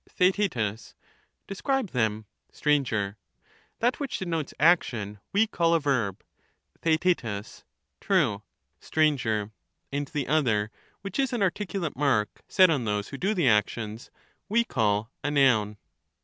Theaet. Describe them. 262 Str. That which denotes action we call a verb. Theaet. True. Str. And the other, which is an articulate mark set on those who do the actions, we call a noun.